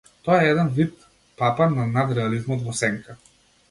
Тој е еден вид папа на надреализмот во сенка.